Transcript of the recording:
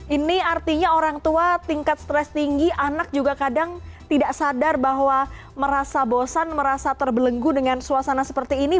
ini artinya orang tua tingkat stres tinggi anak juga kadang tidak sadar bahwa merasa bosan merasa terbelenggu dengan suasana seperti ini